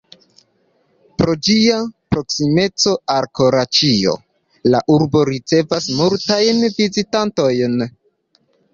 Pro ĝia proksimeco al Karaĉio, la urbo ricevas multajn vizitantojn.